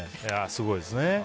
すごいですね。